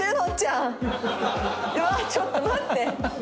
うわっちょっと待って。